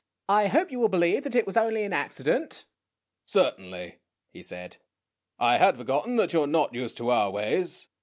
I hope you will believe that it was only an accident." " Certainly," he said; "I had forgotten that you are not used to our ways.